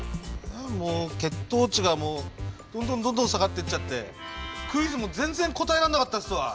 もう血糖値がもうどんどんどんどん下がってっちゃってクイズも全然答えらんなかったっすわ。